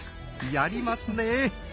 やりますね！